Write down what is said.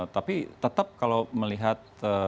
tapi tetap kalau melihat